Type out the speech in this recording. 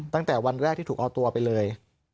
ตั้งแต่วันแรกที่ถูกเอาตัวไปเลย